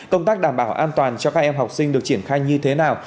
công tác đảm bảo an toàn cho các em học sinh được triển khai như thế nào